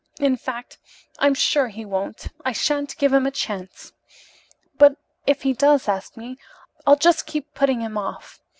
In fact, I'm sure he won't. I shan't give him a chance. But if he does ask me I'll just keep putting him off.